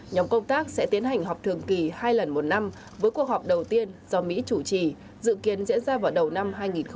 nhóm công tác sẽ tiến hành họp thường kỳ hai lần một năm với cuộc họp đầu tiên do mỹ chủ trì dự kiến diễn ra vào đầu năm hai nghìn hai mươi